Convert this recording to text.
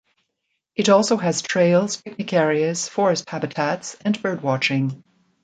It also has trails, picnic areas, forest habitats, and bird watching.